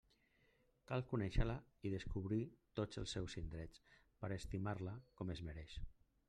Cal conéixer-la i descobrir tots els seus indrets per a estimar-la com es mereix.